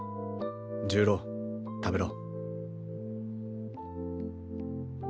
重郎食べろ。